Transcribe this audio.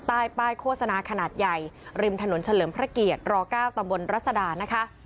ใต้ป้ายโฆษณาขนาดใหญ่ริมถนนเฉลิมพระเกียรติร๙ตำบลรัศดานะคะ